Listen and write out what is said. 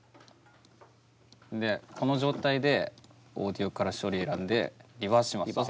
でこの状態でオーディオから処理選んでリバースします。